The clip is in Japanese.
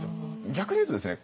逆に言うとですね